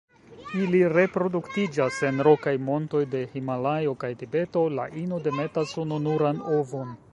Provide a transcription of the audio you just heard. Ili reproduktiĝas en rokaj montoj de Himalajo kaj Tibeto; la ino demetas ununuran ovon.